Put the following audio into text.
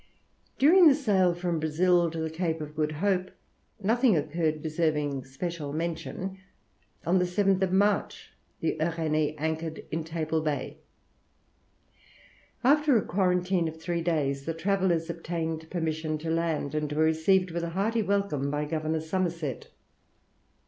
During the sail from Brazil to the Cape of Good Hope nothing occurred deserving special mention. On the 7th March the Uranie anchored in Table Bay. After a quarantine of three days, the travellers obtained permission to land, and were received with a hearty welcome by Governor Somerset.